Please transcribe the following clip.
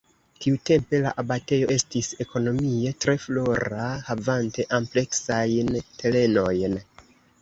Tiutempe la abatejo estis ekonomie tre flora havante ampleksajn terenojn.